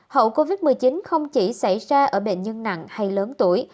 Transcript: hậu covid một mươi chín không chỉ xảy ra ở bệnh nhân nặng hay lớn tuổi